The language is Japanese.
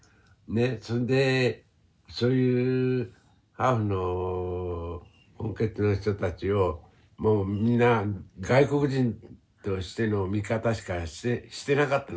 それでそういうハーフの混血の人たちをもうみんな外国人としての見方しかしてなかった。